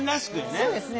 そうですね。